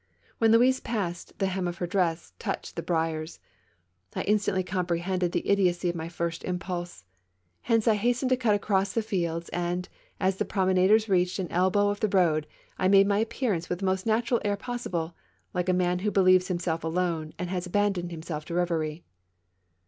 When Louise passed, the hem of her dress touched the briars. I instantly comprehended the idiocy of my first impulse. Hence I hastened to cut across the fields; and, as the promenaders reached an elbow* of the road, I made my appearance with the most natural air possible, like a man who believes himself alone and has abandoned himself to reverie.